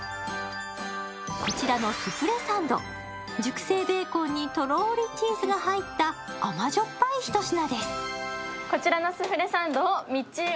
こちらのスフレサンド、熟成ベーコンに、とろーりチーズが入った甘じょっぱい一品。